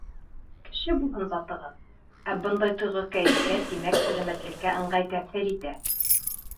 Кеше булһын затығыҙ, Ә бындай тойғо кәйефкә, тимәк, сәләмәтлеккә, ыңғай тәьҫир итә.